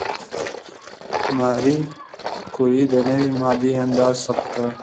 ماري کوري د نوې ماده اندازه ثبت کړه.